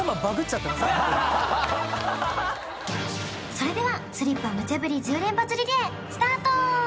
それではスリッパ無茶振り１０連発リレースタート！